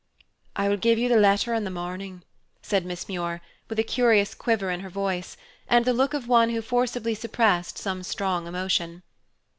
"I will give you the letter in the morning," said Miss Muir, with a curious quiver in her voice, and the look of one who forcibly suppressed some strong emotion.